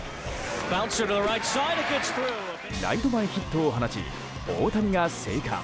ライト前ヒットを放ち大谷が生還。